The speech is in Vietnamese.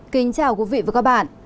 kính chào quý vị và các bạn